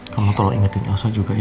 kamu tolong ingatin elsa juga ya